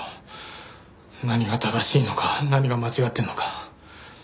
何が正しいのか何が間違ってるのか。